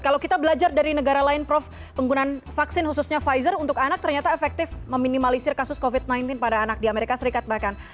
kalau kita belajar dari negara lain prof penggunaan vaksin khususnya pfizer untuk anak ternyata efektif meminimalisir kasus covid sembilan belas pada anak di amerika serikat bahkan